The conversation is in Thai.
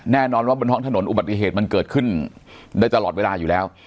แน่นอนว่าบนท้องถนนอุบัติเหตุมันเกิดขึ้นได้ตลอดเวลาอยู่แล้ว